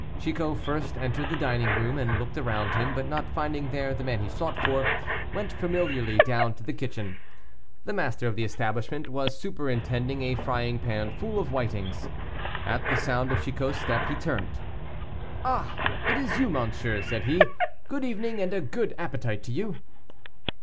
Chicot first entered the dining room, and looked around him, but not finding there the man he sought for, went familiarly down to the kitchen. The master of the establishment was superintending a frying pan full of whitings. At the sound of Chicot's step he turned. "Ah! it is you, monsieur," said he, "good evening, and a good appetite to you."